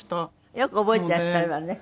よく覚えていらっしゃるわね。